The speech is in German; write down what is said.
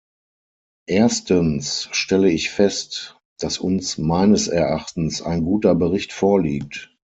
Erstens stelle ich fest, dass uns meines Erachtens ein guter Bericht vorliegt.